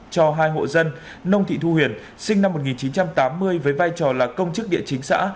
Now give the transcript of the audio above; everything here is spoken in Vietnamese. cho hai hộ dân nông thị thu huyền sinh năm một nghìn chín trăm tám mươi với vai trò là công chức địa chính xã